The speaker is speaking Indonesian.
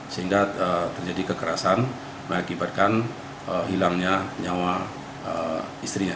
sehingga terjadi kekerasan mengakibatkan hilangnya nyawa istrinya